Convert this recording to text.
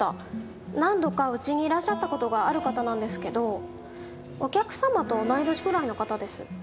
何度かうちにいらっしゃった事がある方なんですけどお客様と同い年ぐらいの方です。